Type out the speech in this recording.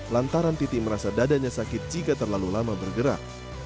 lantaran titi merasa dadanya sakit jika terlalu lama bergerak